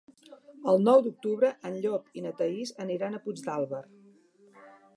El nou d'octubre en Llop i na Thaís aniran a Puigdàlber.